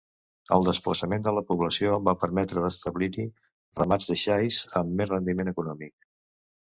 El desplaçament de la població va permetre d'establir-hi ramats de xais, amb més rendiment econòmic.